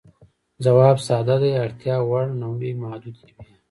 ځواب ساده دی، اړتیا وړ نوعې محدودې وې.